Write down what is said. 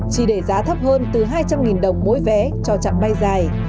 chỉ để giá thấp hơn từ hai trăm linh đồng mỗi vé cho chặng bay dài